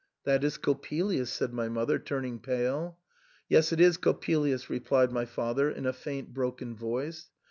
" That is Coppelius," said my mother, turning pale. "Yes, it is Coppelius," replied my father in a faint broken voice.